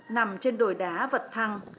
nằm trên đồi đá vật thăng